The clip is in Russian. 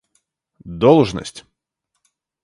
должность